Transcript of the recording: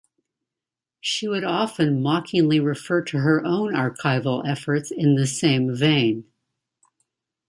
She would often mockingly refer to her own archival efforts in the same vein.